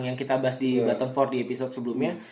yang kita bahas di button for di episode sebelumnya